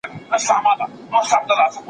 زکات بې حسابه نه ورکول کېږي.